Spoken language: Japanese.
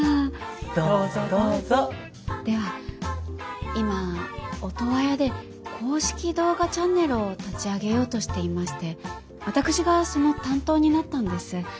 では今オトワヤで公式動画チャンネルを立ち上げようとしていまして私がその担当になったんです。